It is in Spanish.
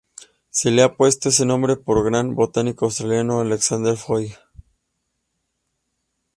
Se le ha puesto ese nombre por el gran botánico australiano Alexander Floyd.